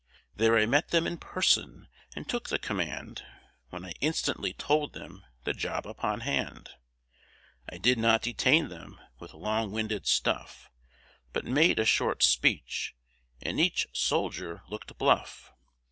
There I met them in person, and took the command, When I instantly told them the job upon hand; I did not detain them with long winded stuff, But made a short speech, and each soldier look'd bluff.